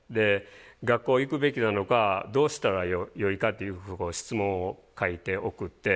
学校行くべきなのかどうしたらよいかっていう質問を書いて送って。